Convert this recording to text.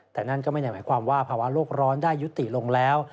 แต่นั่นก็ไม่ได้หมายความว่าภาวะโลกร้อนได้ยุติลงแล้ว